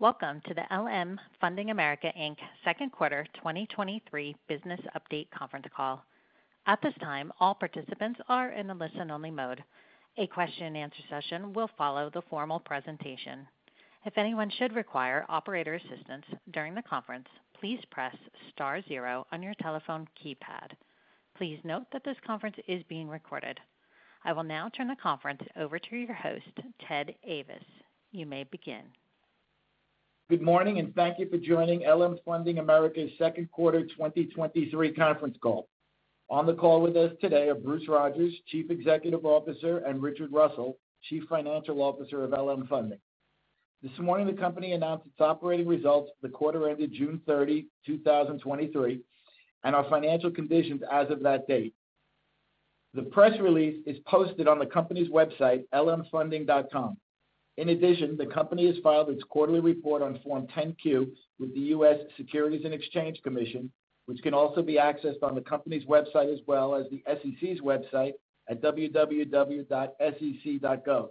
Welcome to the LM Funding America, Inc. second quarter 2023 business update conference call. At this time, all participants are in a listen-only mode. A question-and-answer session will follow the formal presentation. If anyone should require operator assistance during the conference, please press star zero on your telephone keypad. Please note that this conference is being recorded. I will now turn the conference over to your host, Ted Ayvas. You may begin. Good morning and thank you for joining LM Funding America's second quarter 2023 conference call. On the call with us today are Bruce Rodgers, Chief Executive Officer, and Richard Russell, Chief Financial Officer of LM Funding. This morning, the company announced its operating results for the quarter ended June 30, 2023 and our financial conditions as of that date. The press release is posted on the company's website, lmfunding.com. In addition the company has filed its quarterly report on Form 10-Q with the U.S. Securities and Exchange Commission, which can also be accessed on the company's website, as well as the SEC's website at www.sec.gov.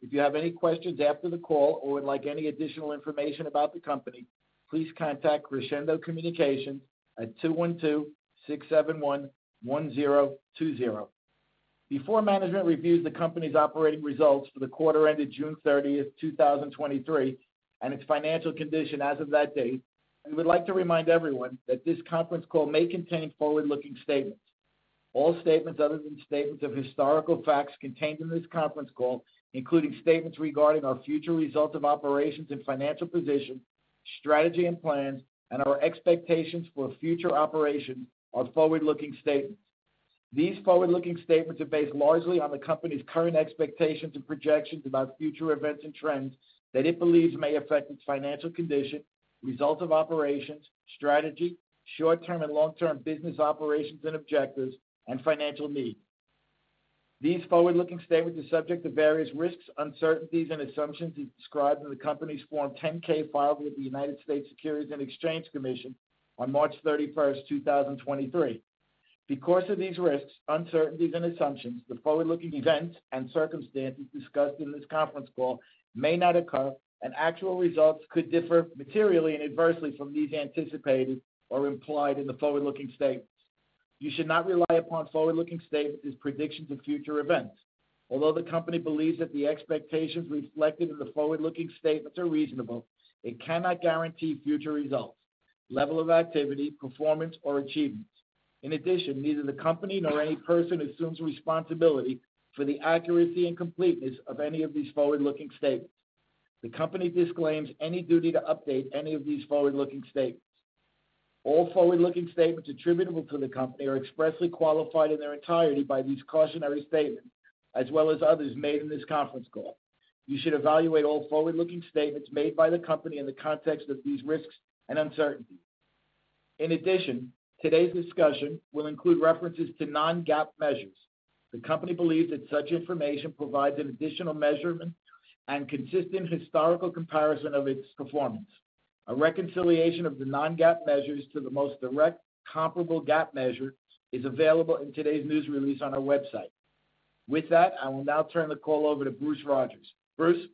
If you have any questions after the call or would like any additional information about the company, please contact Crescendo Communications at 212-671-1020. Before management reviews the company's operating results for the quarter ended June 30, 2023, and its financial condition as of that date, we would like to remind everyone that this conference call may contain forward-looking statements. All statements other than statements of historical facts contained in this conference call, including statements regarding our future results of operations and financial position, strategy and plans, and our expectations for future operation, are forward-looking statements. These forward-looking statements are based largely on the company's current expectations and projections about future events and trends that it believes may affect its financial condition, results of operations, strategy, short-term and long-term business operations and objectives, and financial needs. These forward-looking statements are subject to various risks, uncertainties, and assumptions described in the company's Form 10-K filed with the United States Securities and Exchange Commission on March 31, 2023. Because of these risks, uncertainties and assumptions, the forward-looking events and circumstances discussed in this conference call may not occur, and actual results could differ materially and adversely from these anticipated or implied in the forward-looking statements. You should not rely upon forward-looking statements as predictions of future events. Although the company believes that the expectations reflected in the forward-looking statements are reasonable, it cannot guarantee future results, level of activity, performance, or achievements. In addition, neither the company nor any person assumes responsibility for the accuracy and completeness of any of these forward-looking statements. The company disclaims any duty to update any of these forward-looking statements. All forward-looking statements attributable to the company are expressly qualified in their entirety by these cautionary statements, as well as others made in this conference call. You should evaluate all forward-looking statements made by the company in the context of these risks and uncertainties. In addition today's discussion will include references to non-GAAP measures. The company believes that such information provides an additional measurement and consistent historical comparison of its performance. A reconciliation of the non-GAAP measures to the most direct comparable GAAP measure is available in today's news release on our website. With that I will now turn the call over to Bruce Rodgers. Bruce?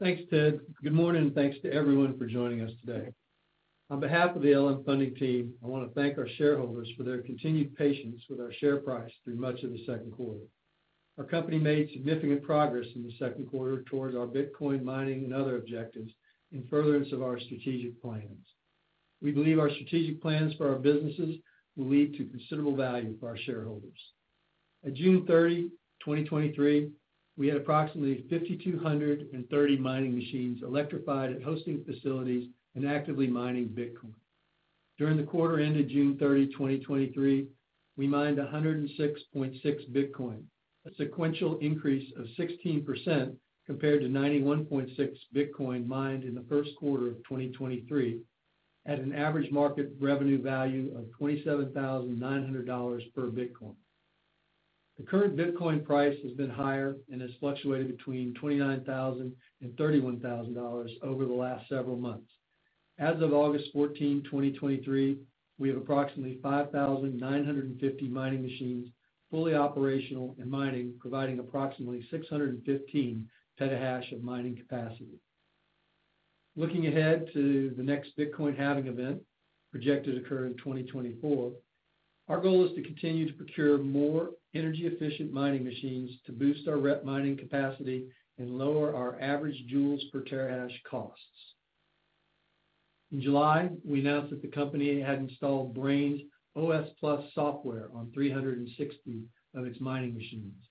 Thanks Ted. Good morning and thanks to everyone for joining us today. On behalf of the LM Funding team, I want to thank our shareholders for their continued patience with our share price through much of the second quarter. Our company made significant progress in the second quarter towards our Bitcoin mining and other objectives in furtherance of our strategic plans. We believe our strategic plans for our businesses will lead to considerable value for our shareholders. At June 30, 2023, we had approximately 5,230 mining machines electrified at hosting facilities and actively mining Bitcoin. During the quarter ended June 30, 2023, we mined 106.6 Bitcoin, a sequential increase of 16% compared to 91.6 Bitcoin mined in the first quarter of 2023 at an average market revenue value of $27,900 per Bitcoin. The current Bitcoin price has been higher and has fluctuated between $29,000 and $31,000 over the last several months. As of August 14, 2023, we have approximately 5,950 mining machines fully operational and mining, providing approximately 615 petahash of mining capacity. Looking ahead to the next Bitcoin halving event, projected to occur in 2024, our goal is to continue to procure more energy-efficient mining machines to boost our rep mining capacity and lower our average joules per terahash costs. In July, we announced that the company had installed Braiins OS+ software on 360 of its mining machines.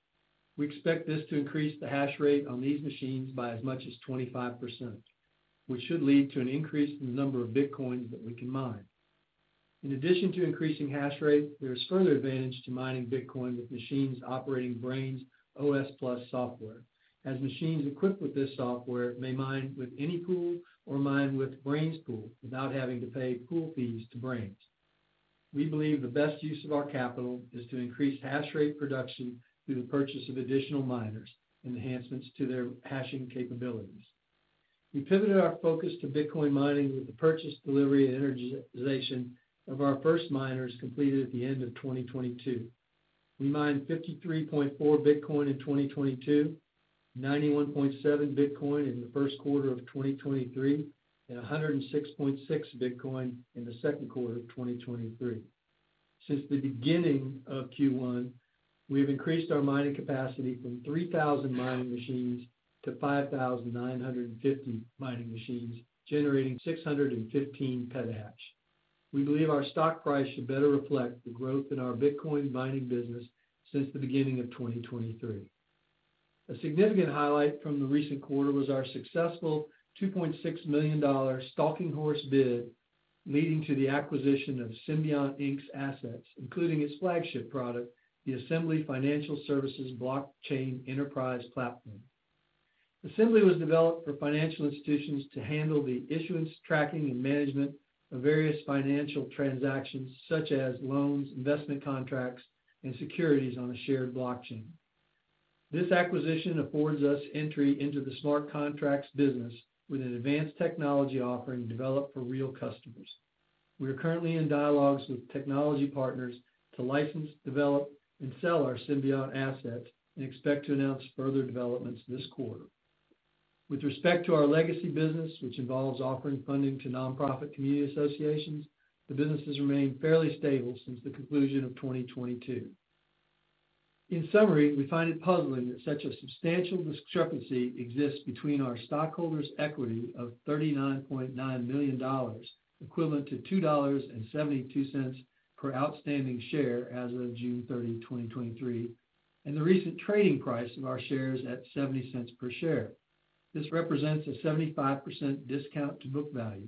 We expect this to increase the hash rate on these machines by as much as 25%, which should lead to an increase in the number of Bitcoins that we can mine. In addition to increasing hash rate, there is further advantage to mining Bitcoin with machines operating Braiins OS+ software, as machines equipped with this software may mine with any pool or mine with Braiins Pool without having to pay pool fees to Braiins. We believe the best use of our capital is to increase hash rate production through the purchase of additional miners and enhancements to their hashing capabilities. We pivoted our focus to Bitcoin mining with the purchase, delivery, and energization of our first miners completed at the end of 2022. We mined 53.4 Bitcoin in 2022, 91.7 Bitcoin in the first quarter of 2023, and 106.6 Bitcoin in the second quarter of 2023. Since the beginning of Q1, we have increased our mining capacity from 3,000 mining machines to 5,950 mining machines, generating 615 petahash. We believe our stock price should better reflect the growth in our Bitcoin mining business since the beginning of 2023. A significant highlight from the recent quarter was our successful $2.6 million stalking horse bid, leading to the acquisition of Symbiont's assets, including its flagship product, the Assembly Financial Services Blockchain Enterprise Platform. Assembly was developed for financial institutions to handle the issuance, tracking, and management of various financial transactions, such as loans, investment contracts and securities on a shared blockchain. This acquisition affords us entry into the smart contracts business with an advanced technology offering developed for real customers. We are currently in dialogues with technology partners to license, develop, and sell our Symbiont assets and expect to announce further developments this quarter. With respect to our legacy business, which involves offering funding to nonprofit community associations, the business has remained fairly stable since the conclusion of 2022. In summary, we find it puzzling that such a substantial discrepancy exists between our stockholders' equity of $39.9 million equivalent to $2.72 per outstanding share as of June 30, 2023 and the recent trading price of our shares at $0.70 per share. This represents a 75% discount to book value.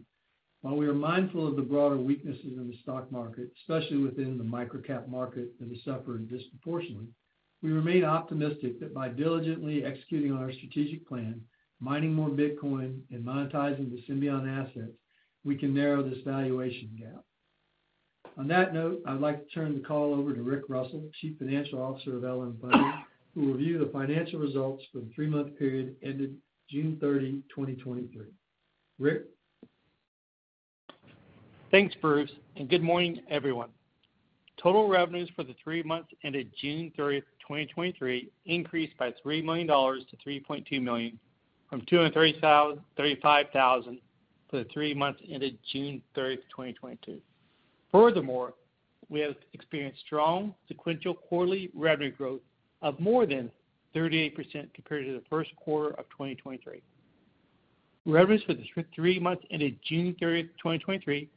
While we are mindful of the broader weaknesses in the stock market, especially within the micro-cap market that has suffered disproportionately, we remain optimistic that by diligently executing on our strategic plan, mining more Bitcoin and monetizing the Symbiont assets, we can narrow this valuation gap. On that note, I'd like to turn the call over to Rick Russell, Chief Financial Officer of LM Funding, who will review the financial results for the 3-month period ended June 30, 2023. Rick? Thanks Bruce. Good morning everyone. Total revenues for the three months ended June 30, 2023, increased by $3 million to $3.2 million, from $235,000 for the three months ended June 30, 2022. Furthermore, we have experienced strong sequential quarterly revenue growth of more than 38% compared to the first quarter of 2023. Revenues for the three months ended June 30, 2023,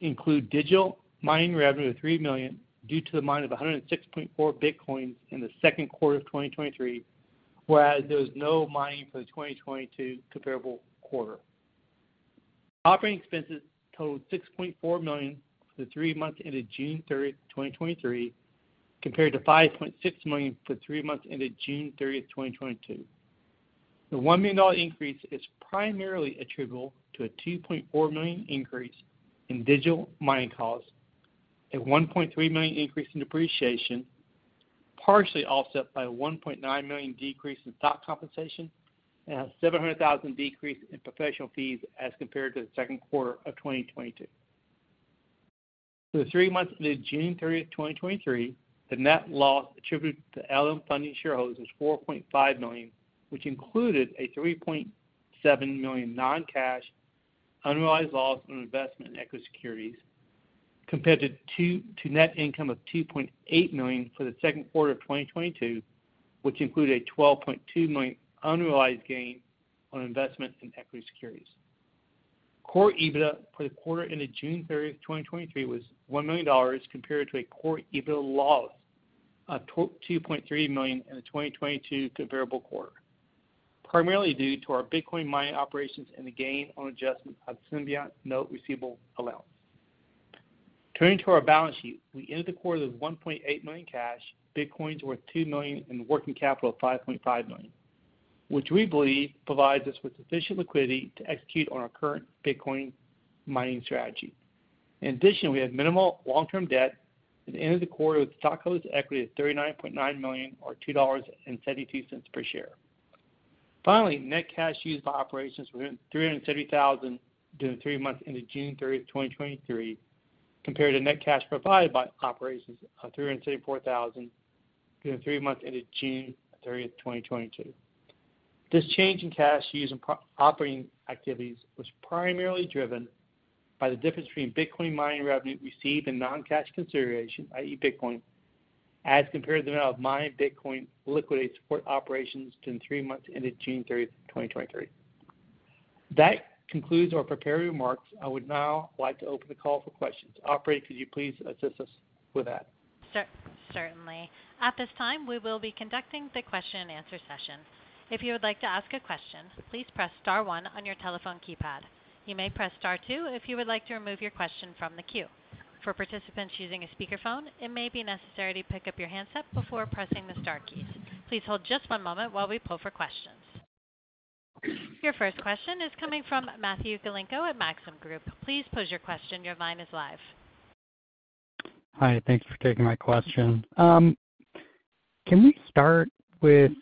include digital mining revenue of $3 million due to the mine of 106.4 Bitcoins in the second quarter of 2023, whereas there was no mining for the 2022 comparable quarter. Operating expenses totaled $6.4 million for the three months ended June 30, 2023 compared to $5.6 million for the three months ended June 30, 2022. The $1 million increase is primarily attributable to a $2.4 million increase in digital mining costs, a $1.3 million increase in depreciation, partially offset by a $1.9 million decrease in stock compensation and a $700,000 decrease in professional fees as compared to the second quarter of 2022. For the three months ended June 30, 2023, the net loss attributed to LM Funding shareholders was $4.5 million, which included a $3.7 million non-cash, unrealized loss on investment in equity securities compared to net income of $2.8 million for the second quarter of 2022, which included a $12.2 million unrealized gain on investments in equity securities. Core EBITDA for the quarter ended June 30, 2023, was $1 million compared to a core EBITDA loss of $2.3 million in the 2022 comparable quarter, primarily due to our Bitcoin mining operations and the gain on adjustment of Symbiont note receivable allowance. Turning to our balance sheet, we ended the quarter with $1.8 million cash, Bitcoins worth $2 million, and working capital of $5.5 million, which we believe provides us with sufficient liquidity to execute on our current Bitcoin mining strategy. In addition, we have minimal long-term debt and ended the quarter with stockholders' equity of $39.9 million, or $2.72 per share. Finally, net cash used by operations was $370,000 during the three months ended June 30, 2023, compared to net cash provided by operations of $334,000 during the three months ended June 30, 2022. This change in cash used in operating activities was primarily driven by the difference between Bitcoin mining revenue received in non-cash consideration, i.e., Bitcoin as compared to the amount of mined Bitcoin liquidated to support operations during the three months ended June 30, 2023. That concludes our prepared remarks. I would now like to open the call for questions. Operator, could you please assist us with that? Certainly. At this time, we will be conducting the question and answer session. If you would like to ask a question, please press star one on your telephone keypad. You may press star two if you would like to remove your question from the queue. For participants using a speakerphone, it may be necessary to pick up your handset before pressing the star keys. Please hold just one moment while we pull for questions. Your first question is coming from Matthew Galinko at Maxim Group. Please pose your question. Your line is live. Hi thanks for taking my question. Can we start with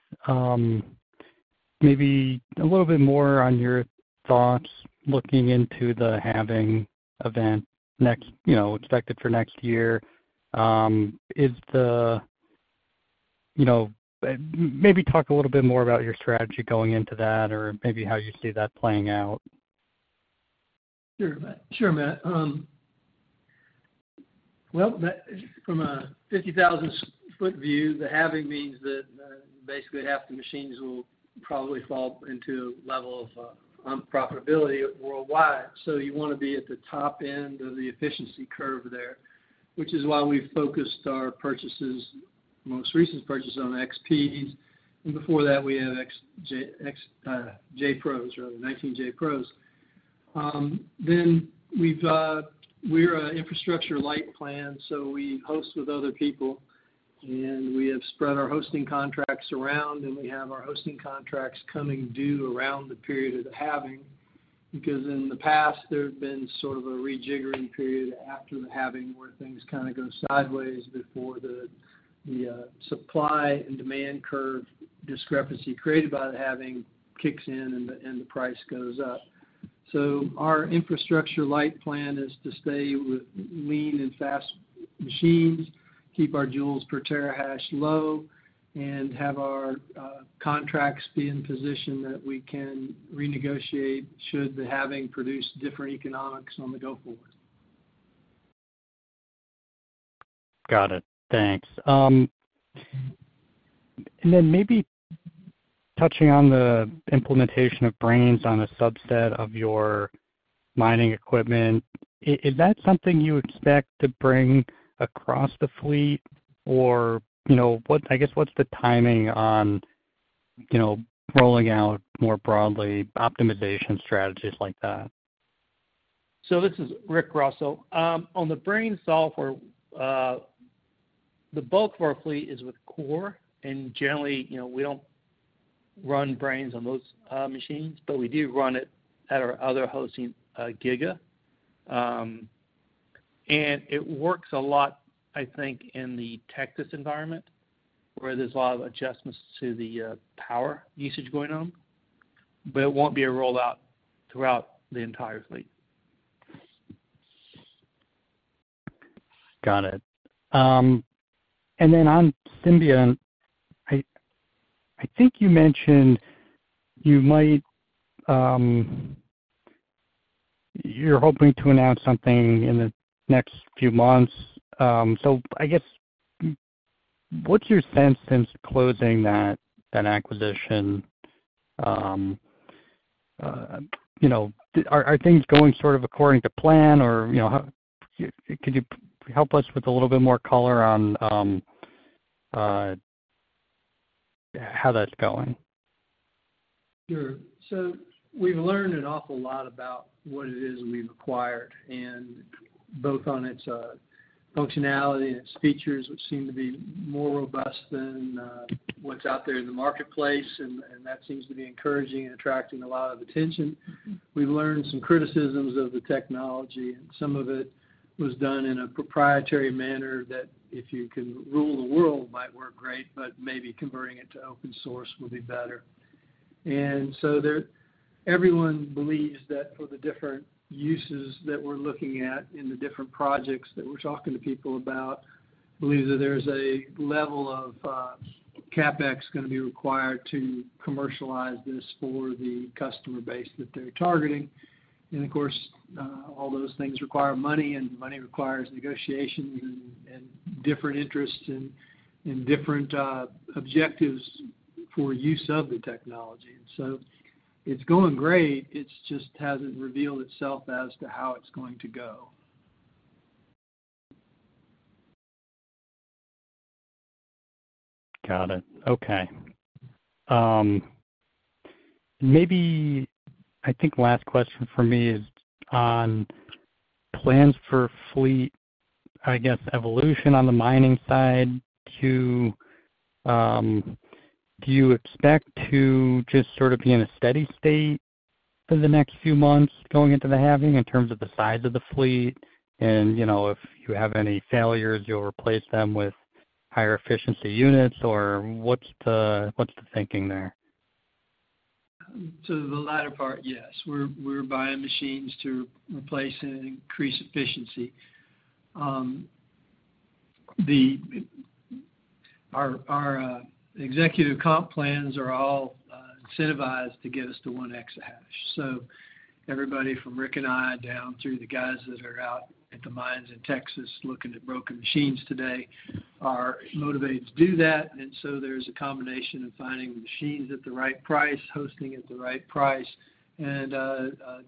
maybe a little bit more on your thoughts looking into the halving event next, you know, expected for next year? Is the, you know, maybe talk a little bit more about your strategy going into that, or maybe how you see that playing out? Sure Matt. Well, that from a 50,000 foot view the halving means that basically half the machines will probably fall into a level of unprofitability worldwide. You want to be at the top end of the efficiency curve there, which is why we've focused our purchases, most recent purchase, on XPs, and before that we had J Pros, rather, 19 J Pros. We've, we're an Infrastructure Light plan. We host with other people. We have spread our hosting contracts around. We have our hosting contracts coming due around the period of the halving. Because in the past, there had been sort of a rejiggering period after the halving, where things kind of go sideways before the, the supply and demand curve discrepancy created by the halving kicks in, and the price goes up. Our Infrastructure Light plan is to stay with lean and fast machines, keep our joules per terahash low and have our contracts be in position that we can renegotiate should the halving produce different economics on the go forward. Got it. Thanks. Then maybe touching on the implementation of Braiins on a subset of your mining equipment, is that something you expect to bring across the fleet? Or, you know, I guess, what's the timing on, you know, rolling out more broadly optimization strategies like that? This is Rick Russell. On the Braiins software, the bulk of our fleet is with Core and generally, you know we don't run Braiins on those machines, but we do run it at our other hosting, GIGA. It works a lot I thin in the Texas environment, where there's a lot of adjustments to the power usage going on, but it won't be a rollout throughout the entire fleet. Got it. On Symbiont, I - I think you mentioned you might. You're hoping to announce something in the next few months. I guess, what's your sense since closing that, that acquisition? You know, are, are things going sort of according to plan, or you know, how - could you help us with a little bit more color on how that's going? Sure. We've learned an awful lot about what it is we've acquired, and both on its functionality and its features, which seem to be more robust than what's out there in the marketplace, and that seems to be encouraging and attracting a lot of attention. We've learned some criticisms of the technology, and some of it was done in a proprietary manner that if you can rule the world, might work great, but maybe converting it to open source would be better. Everyone believes that for the different uses that we're looking at in the different projects that we're talking to people about, believe that there's a level of CapEx going to be required to commercialize this for the customer base that they're targeting. Of course, all those things require money, and money requires negotiation and, and different interests and, and different, objectives for use of the technology. It's going great. It's just hasn't revealed itself as to how it's going to go. Got it. Okay. Maybe I think last question for me is on plans for fleet, I guess, evolution on the mining side to, do you expect to just sort of be in a steady state for the next few months, going into the halving in terms of the size of the fleet? You know, if you have any failures, you'll replace them with higher efficiency units, or what's the - what's the thinking there? To the latter part, yes. We're, we're buying machines to replace and increase efficiency. Our, our executive comp plans are all incentivized to get us to 1 exahash. Everybody from Rick and I, down through the guys that are out at the mines in Texas looking at broken machines today, are motivated to do that. There's a combination of finding the machines at the right price, hosting at the right price, and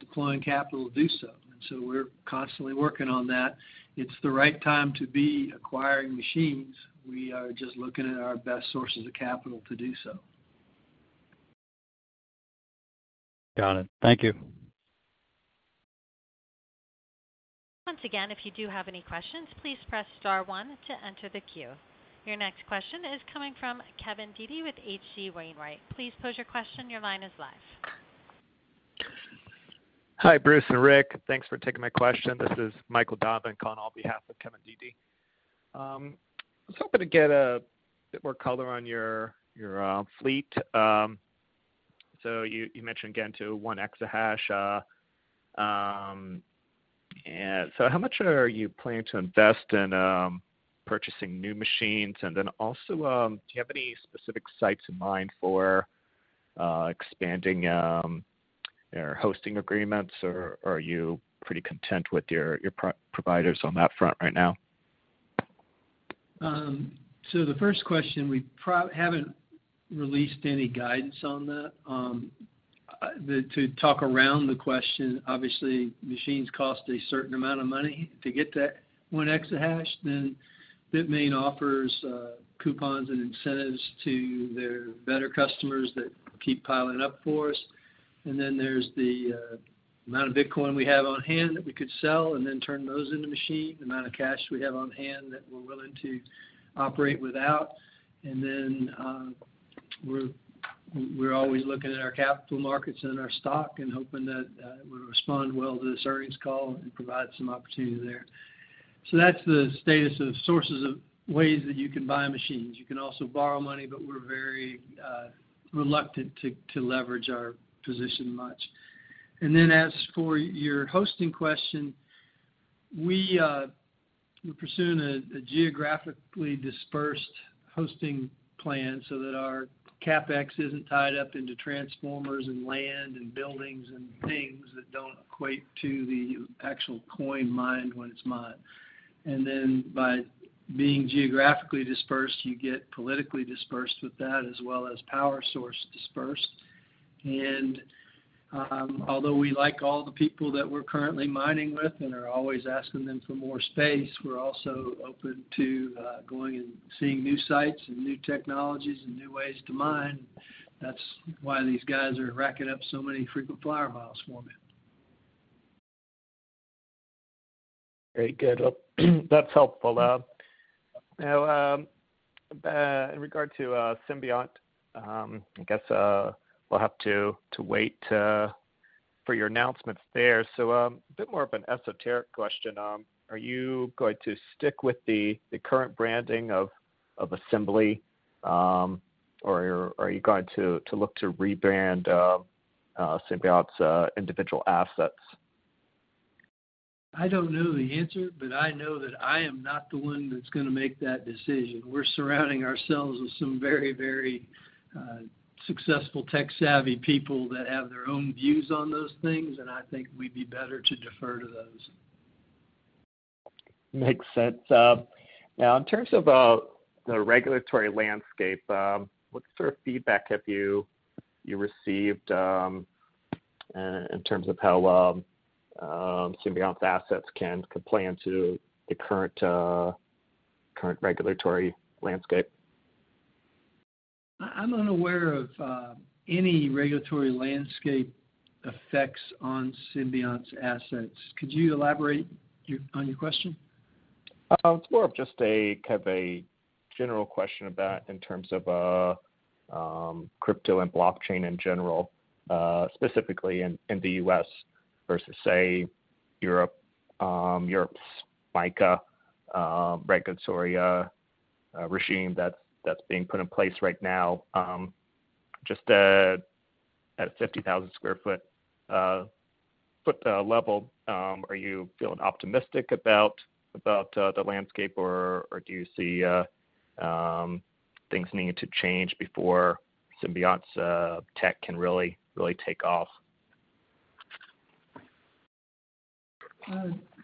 deploying capital to do so. We're constantly working on that. It's the right time to be acquiring machines. We are just looking at our best sources of capital to do so. Got it. Thank you. Once again, if you do have any questions, please press star one to enter the queue. Your next question is coming from Kevin Dede with H.C. Wainwright. Please pose your question. Your line is live. Hi, Bruce and Rick. Thanks for taking my question. This is Michael Donovan on behalf of Kevin Dede. I was hoping to get a bit more color on your, your, fleet. So you - you mentioned getting to 1 exahash. How much are you planning to invest in, purchasing new machines? Then also, do you have any specific sites in mind for, expanding, your hosting agreements, or are you pretty content with your, your pro- providers on that front right now? The first question, we pro-- haven't released any guidance on that. The to talk around the question, obviously, machines cost a certain amount of money. To get that 1 exahash, then Bitmain offers coupons and incentives to their better customers that keep piling up for us. Then there's the amount of Bitcoin we have on hand that we could sell and then turn those into machine, the amount of cash we have on hand that we're willing to operate without. Then, we're - we're always looking at our capital markets and our stock and hoping that it would respond well to this earnings call and provide some opportunity there. That's the status of sources of ways that you can buy machines. You can also borrow money but we're very reluctant to - to leverage our position much. Then as for your hosting question, we, we're pursuing a - a geographically dispersed hosting plan so that our CapEx isn't tied up into transformers and land and buildings and things that don't equate to the actual coin mined when it's mined. Then by being geographically dispersed, you get politically dispersed with that, as well as power source dispersed. Although we like all the people that we're currently mining with and are always asking them for more space, we're also open to, going and seeing new sites and new technologies and new ways to mine. That's why these guys are racking up so many frequent flyer miles for me. Very good. Well, that's helpful. Now in regard to Symbiont, I guess we'll have to wait for your announcements there. A bit more of an esoteric question. Are you going to stick with the current branding of Assembly, or are you going to look to rebrand Symbiont's individual assets? I don't know the answer. I know that I am not the one that's gonna make that decision. We're surrounding ourselves with some very, very, successful tech-savvy people that have their own views on those things. I think we'd be better to defer to those. Makes sense. Now, in terms of the regulatory landscape, what sort of feedback have you, you received, in terms of how Symbiont's assets can comply to the current regulatory landscape? I - I'm unaware of, any regulatory landscape effects on Symbiont's assets. Could you elaborate on your question? It's more of just a kind of a general question about in terms of crypto and blockchain in general, specifically in the US versus, say, Europe, Europe's MiCA regulatory regime that's being put in place right now. Just at a 50,000 sq ft level, are you feeling optimistic about the landscape or do you see things needing to change before Symbiont's tech can really take off?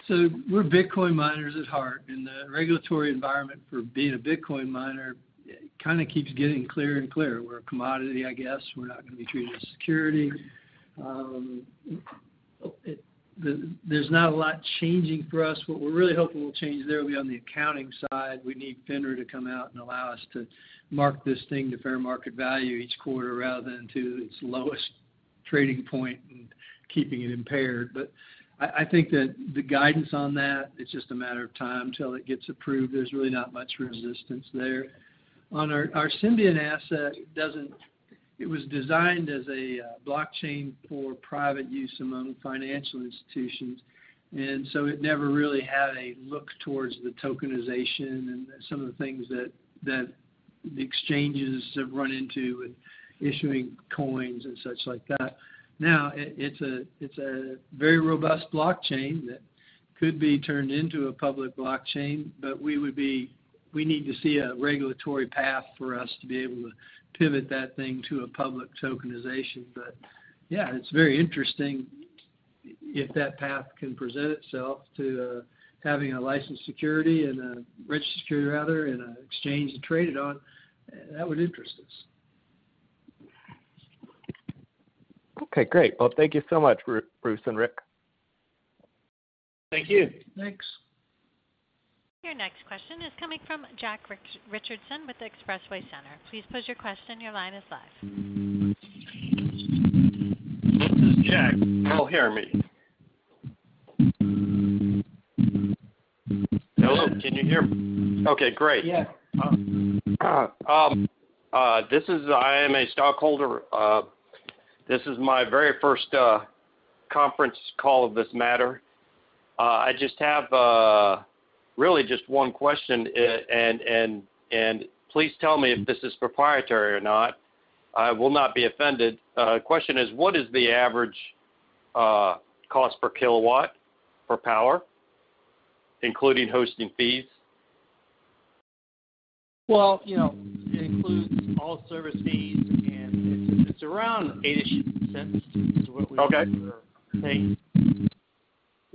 We're Bitcoin miners at heart and the regulatory environment for being a Bitcoin miner, it kind of keeps getting clearer and clearer. We're a commodity, I guess. We're not gonna be treated as security. There's not a lot changing for us. What we're really hoping will change there will be on the accounting side. We need FINRA to come out and allow us to mark this thing to fair market value each quarter, rather than to its lowest trading point and keeping it impaired. I think that the guidance on that, it's just a matter of time till it gets approved. There's really not much resistance there. On our Symbiont asset, it doesn't - It was designed as a blockchain for private use among financial institutions and so it never really had a look towards the tokenization and some of the things that, that the exchanges have run into with issuing coins and such like that. Now, it, it's a - it's a very robust blockchain that could be turned into a public blockchain, but we need to see a regulatory path for us to be able to pivot that thing to a public tokenization. Yeah, it's very interesting if that path can present itself to having a licensed security and a registered, rather, in an exchange to trade it on, that would interest us. Okay, great. Well thank you so much, Bruce and Rick. Thank you. Thanks. Your next question is coming from Jack Richardson with Expressway Center. Please pose your question. Your line is live. This is Jack. You all hear me? Hello, can you hear me? Okay, great. Yeah. This is - I am a stockholder. This is my very first conference call of this matter. I just have really just one question. And - and please tell me if this is proprietary or not, I will not be offended. Question is, what is the average cost per kilowatt for power, including hosting fees? Well, you know, it includes all service needs, and it's around $0.08 ish. Okay.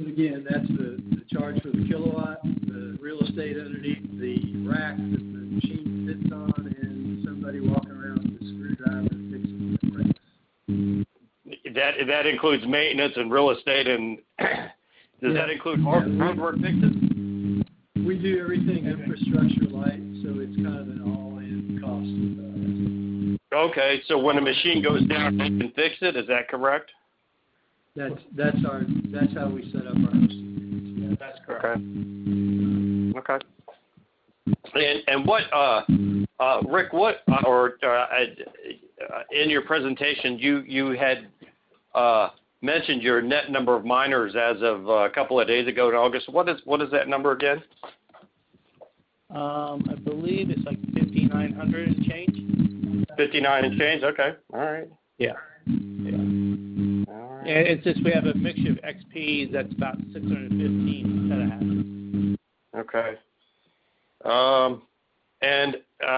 Again, that's the, the charge for the kW, the real estate underneath the rack that the machine sits on, and somebody walking around with a screwdriver fixing the racks. That, that includes maintenance and real estate, and does that include front-line fixes? We do everything infrastructure-like, so it's kind of an all-in cost. Okay. When a machine goes down, you can fix it. Is that correct? That's how we set up our - yeah, that's correct. Okay. Rick, what or, in your presentation, you, you had mentioned your net number of miners as of a couple of days ago in August? What is, what is that number again? I believe it's like $5,900 and change. $5,900 and change. Okay. All right. Yeah. All right. It's just we have a mix of XPs that's about 615.5. Okay.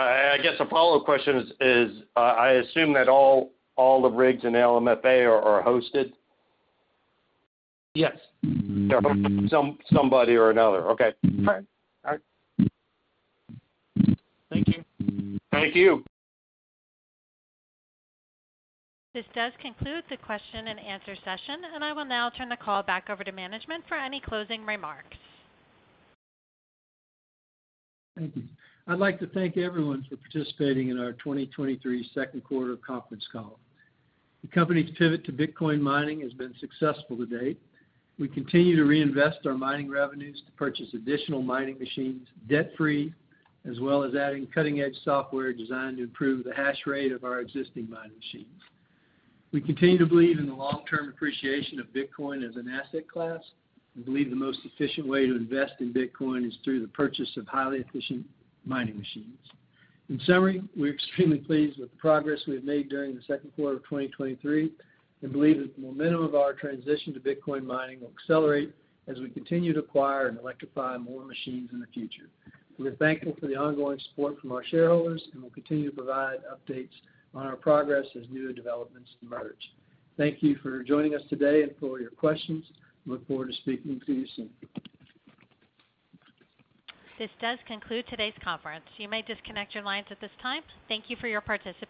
I guess a follow-up question is, is, I - I assume that all, all the rigs in LMFA are, are hosted? Yes. Somebody or another. Okay. All right. All right. Thank you. Thank you. This does conclude the question and answer session and I will now turn the call back over to management for any closing remarks. Thank you. I'd like to thank everyone for participating in our 2023 second quarter conference call. The company's pivot to Bitcoin mining has been successful to date. We continue to reinvest our mining revenues to purchase additional mining machines, debt-free, as well as adding cutting-edge software designed to improve the hash rate of our existing mining machines. We continue to believe in the long-term appreciation of Bitcoin as an asset class and believe the most efficient way to invest in Bitcoin is through the purchase of highly efficient mining machines. In summary, we're extremely pleased with the progress we've made during the second quarter of 2023 and believe that the momentum of our transition to Bitcoin mining will accelerate as we continue to acquire and electrify more machines in the future. We are thankful for the ongoing support from our shareholders. We'll continue to provide updates on our progress as new developments emerge. Thank you for joining us today and for all your questions. Look forward to speaking to you soon. This does conclude today's conference. You may disconnect your lines at this time. Thank you for your participation.